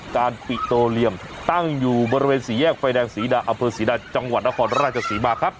ปิโตเรียมตั้งอยู่บริเวณสี่แยกไฟแดงศรีดาอำเภอศรีดาจังหวัดนครราชศรีมาครับ